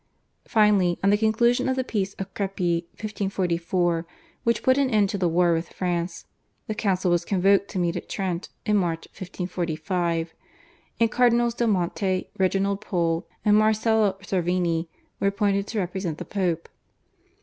Finally, on the conclusion of the Peace of Crepy (1544), which put an end to the war with France, the council was convoked to meet at Trent in March 1545, and Cardinals del Monte, Reginald Pole, and Marcello Cervini were appointed to represent the Pope.